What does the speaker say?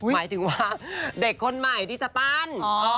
หมายถึงว่าเด็กคนใหม่ดิสตัน